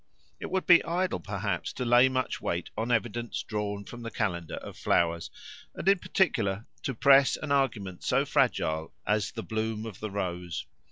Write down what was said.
It would be idle, perhaps, to lay much weight on evidence drawn from the calendar of flowers, and in particular to press an argument so fragile as the bloom of the rose.